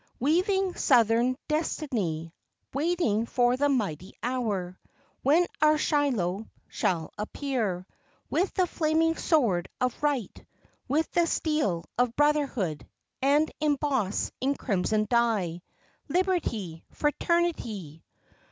Weaving Southern destiny, Waiting for the mighty hour When our Shiloh shall appear With the flaming sword of right, With the steel of brotherhood, And emboss in crimson die Liberty! Fraternity!